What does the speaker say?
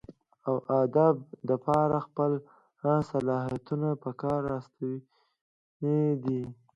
اوادب دپاره خپل صلاحيتونه پکار راوستي دي